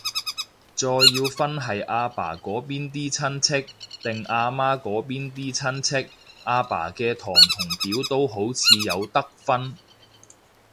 再要分係阿爸嗰邊啲親戚，定阿媽嗰邊啲親戚，阿爸嘅堂同表都好似有得分